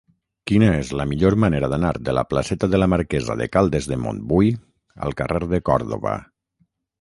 Quina és la millor manera d'anar de la placeta de la Marquesa de Caldes de Montbui al carrer de Còrdova?